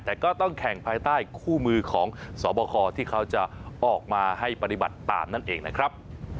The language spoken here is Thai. แต่ก็ต้องแข่งภายใต้คู่มือของสอบคอที่เขาจะออกมาให้ปฏิบัติตามนั่นเองนะครับ